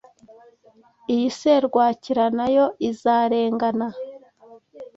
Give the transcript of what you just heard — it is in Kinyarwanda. Iyi serwakira nayo izarengana.